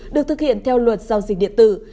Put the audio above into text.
được thực hiện theo luật giao dịch điện tử